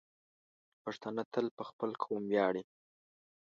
پښتانه تل په خپل قوم ویاړي.